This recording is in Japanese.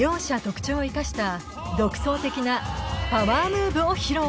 特長を生かした独創的なパワームーブを披露。